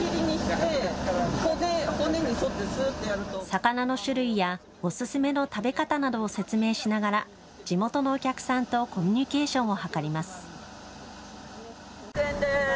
魚の種類やお勧めの食べ方などを説明しながら地元のお客さんとコミュニケーションを図ります。